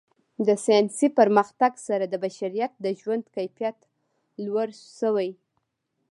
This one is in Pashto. د ساینسي پرمختګ سره د بشریت د ژوند کیفیت لوړ شوی.